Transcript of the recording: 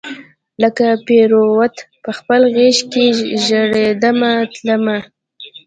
لکه پیروته پخپل غیږ کې ژریدمه تلمه